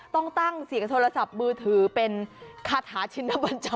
ต้องตั้งเสียงโทรศัพท์มือถือเป็นคาถาชินบัญชน